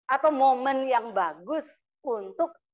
atau momen yang bagus untuk